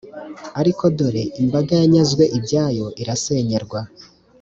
Ariko dore imbaga yanyazwe ibyayo, irasenyerwa,